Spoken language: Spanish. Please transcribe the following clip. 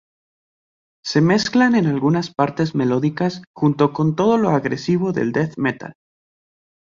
Se mezclan en algunas partes melódicas junto con todo lo agresivo del death metal.